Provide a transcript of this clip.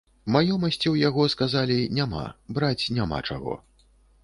Маёмасці ў яго, сказалі, няма, браць няма чаго.